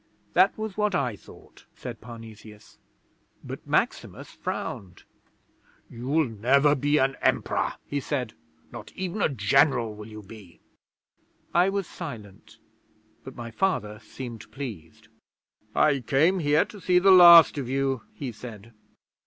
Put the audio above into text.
'That was what I thought,' said Parnesius. 'But Maximus frowned. "You'll never be an Emperor," he said. "Not even a General will you be." 'I was silent, but my Father seemed pleased. '"I came here to see the last of you," he said.